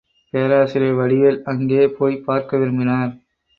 பேராசிரியர் வடிவேல் அங்கே போய்ப் பார்க்க விரும்பினார்.